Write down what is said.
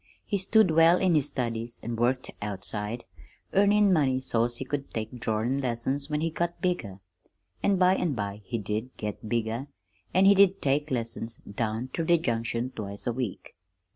He stood well in his studies, an' worked outside, earnin' money so's he could take drawin' lessons when he got bigger. An' by and by he did get bigger, an' he did take lessons down ter the Junction twice a week.